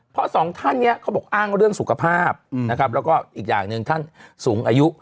เพราะสองท่านเนี่ยเขาบอกอ้างเรื่องสุขภาพนะครับแล้วก็อีกอย่างหนึ่งท่านสูงอายุ